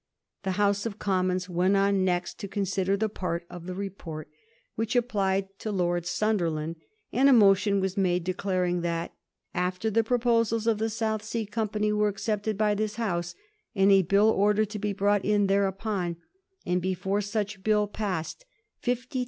The House of Commons went on next to consider that part of the report which applied to Lord Sunderland, and a motion was made declar ing that * after the proposals of the South Sea Company were accepted by this House, and a Bill ordered to be brought in thereupon, and before such Bill passed, 50,000